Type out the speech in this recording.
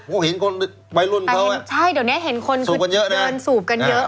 ก็เห็นคนวัยรุ่นเขาอ่ะใช่เดี๋ยวเนี้ยเห็นคนสูบกันเยอะนะเดินสูบกันเยอะ